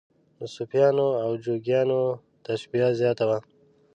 د صوفیانو او جوګیانو تشبیه زیاته وه.